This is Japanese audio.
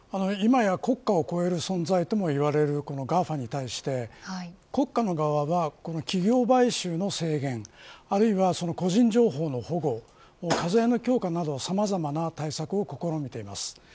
今や国家を越える存在ともいわれるＧＡＦＡに対して国家の側は企業買収の制限あるいは個人情報の保護課税の強化などさまざまな対策を試みています。